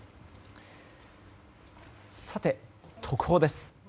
さて、特報です。